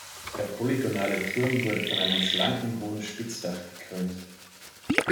Der polygonale Turm wurde von einem schlanken hohen Spitzdach gekrönt.